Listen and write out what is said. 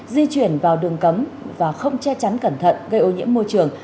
di chuyển vào đường cấm và không che chắn cẩn thận gây ô nhiễm môi trường